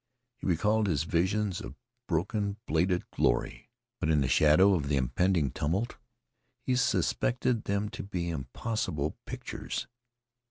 He recalled his visions of broken bladed glory, but in the shadow of the impending tumult he suspected them to be impossible pictures.